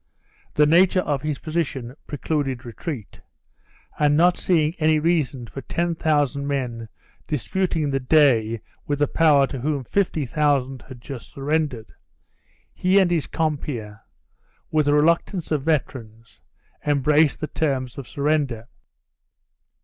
The nature of his position precluded retreat; and not seeing any reason for ten thousand men disputing the day with a power to whom fifty thousand had just surrendered, he and his compeer, with the reluctance of veterans, embraced the terms of surrender.